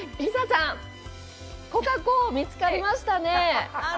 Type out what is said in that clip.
コカコ、見つかりましたね！